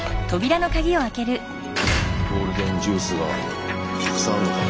ゴールデンジュースがたくさんあんのかな？